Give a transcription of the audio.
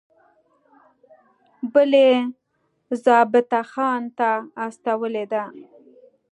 بل یې ضابطه خان ته استولی دی.